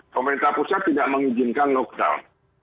pemerintah pusat tidak mengizinkan lockdown